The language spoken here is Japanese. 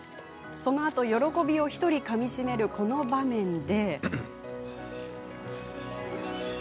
そのあと、喜びを１人かみしめる、この場面で。